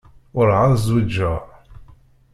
Werεad zwiǧeɣ.